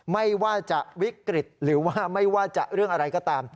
ไม่ว่าจะวิกฤตหรือว่าไม่ว่าจะเรื่องอะไรก็ตาม